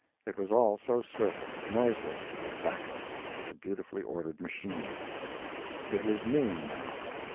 It was all so swift, noiseless, exact—like a beautifully ordered machine. It was noon, now.